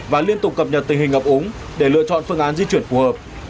và liên tục cập nhật tình hình ngập úng để lựa chọn phương án di chuyển phù hợp